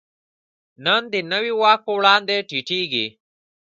نن د نوي واک په وړاندې ټیټېږي.